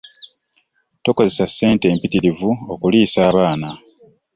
Tukozesa ssente mpitirivu okuliisa abaana.